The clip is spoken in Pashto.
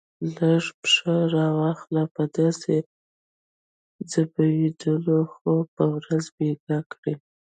لږ پښه را واخله، په داسې ځبېدلو خو به ورځ بېګا کړې.